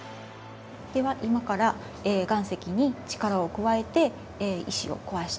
では今から岩石に力を加えて石を壊していきたいと思います。